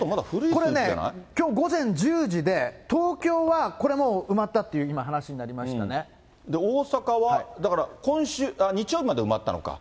これね、きょう午前１０時で、東京はこれもう、埋まったっていう今、大阪は、だから今週、日曜日まで埋まったのか。